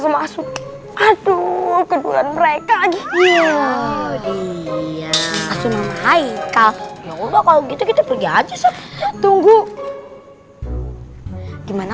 masuk aduh kedua mereka di indonesia hai kak ya udah kalau gitu gitu pergi aja tunggu gimana